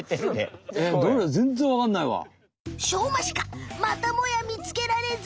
しょうまシカまたもや見つけられず。